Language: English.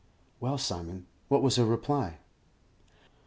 "Well, Simon, what was her reply?"